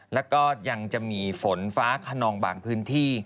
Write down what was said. แล้วก็ยังจะมีฝนฟ้าขนองบางพื้นที่